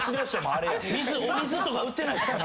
お水とか売ってないっすか？